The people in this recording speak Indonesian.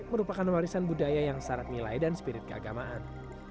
dan merupakan warisan budaya yang syarat nilai dan spirit keagamaan